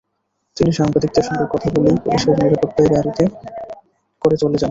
তিনি সাংবাদিকদের সঙ্গে কথা বলেই পুলিশের নিরাপত্তায় গাড়িতে করে চলে যান।